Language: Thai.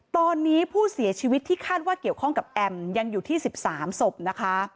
ตอนนี้ผู้เสียชีวิตที่คาดว่าเกี่ยวข้องกับแอมยังอยู่ที่๑๓ศพนะคะ